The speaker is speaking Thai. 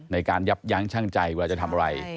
ในการย้ำชั่งใจเวลาจะทำอะไร